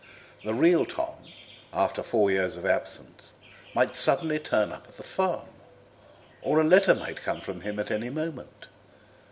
The real Tom, after four years of absence, might suddenly turn up at the farm, or a letter might come from him at any moment.